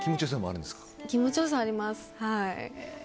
気持ちよさあります。